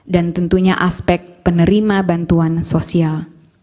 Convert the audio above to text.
dan tentunya aspek penerima bantuan sosial